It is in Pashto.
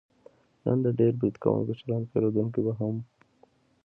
نو د ډېر برید کوونکي چلند پېرودونکی به هم